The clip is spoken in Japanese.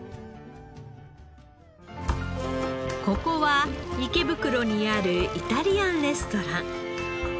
ここは池袋にあるイタリアンレストラン。